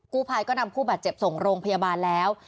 กู้ภัยก็นำผู้บาดเจ็บส่งโรงพยาบาลแล้ว